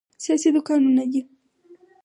سیاسي دوکانونه دي.